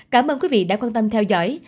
cảm ơn quý vị đã quan tâm theo dõi